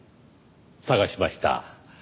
捜しました。